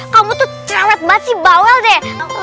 kamu tuh cerewet banget sih bawel deh